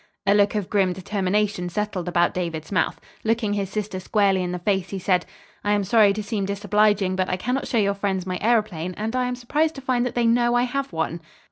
A look of grim determination settled about David's mouth. Looking his sister squarely in the face, he said, "I am sorry to seem disobliging but I cannot show your friends my aëroplane and I am surprised to find that they know I have one."